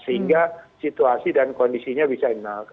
jadi kita lihat bahwa situasi dan kondisinya bisa enak